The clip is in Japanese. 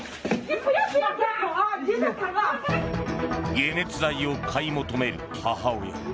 解熱剤を買い求める母親。